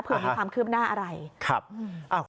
เพื่อมีความคืบหน้าอะไรครับ